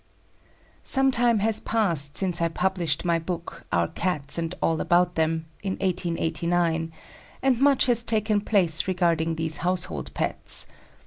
_ Some time has passed since I published my book, "Our Cats and all about them," in 1889, and much has taken place regarding these household pets.